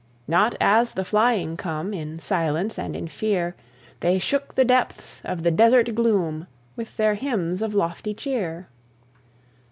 Not as the flying come, In silence and in fear; They shook the depths of the desert gloom With their hymns of lofty cheer.